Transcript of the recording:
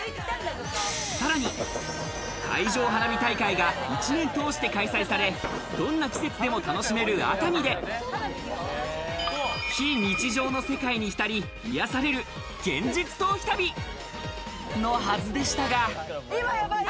さらに海上花火大会が１年通して開催され、どんな季節でも楽しめる熱海で非日常の世界に浸り、癒される現実逃避旅。のはずでしたが。